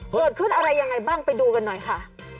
เกิดขึ้นอะไรยังไงบ้างไปดูกันหน่อยค่ะ